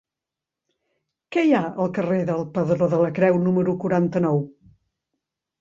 Què hi ha al carrer del Pedró de la Creu número quaranta-nou?